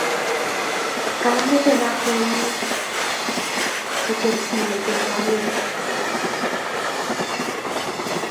kanamte lakwet nenyun kocheru simet eng' lalet